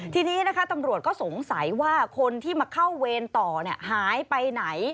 ทีนี้นะคะตำรวจก็สงสัยว่าคนที่มาเข้าเวรต่อหายไปไหน